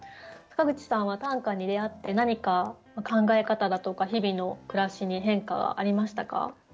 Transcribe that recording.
坂口さんは短歌に出会って何か考え方だとか日々の暮らしに変化はありましたか？